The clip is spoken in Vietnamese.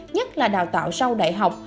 nhất là đào tạo sau đại học